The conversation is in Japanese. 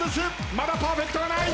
まだパーフェクトはない。